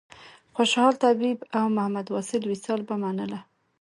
خوشحال طیب او محمد واصل وصال به منله.